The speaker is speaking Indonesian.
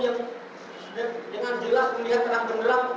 yang dengan jelas melihat terang benderang